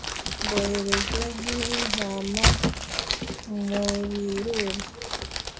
mbohereje nk'intama mu birura